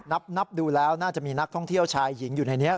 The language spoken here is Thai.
นับดูแล้วน่าจะมีนักท่องเที่ยวชายหญิงอยู่ในนี้